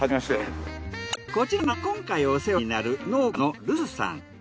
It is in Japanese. こちらが今回お世話になる農家の留守さん。